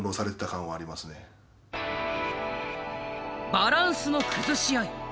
バランスの崩し合い。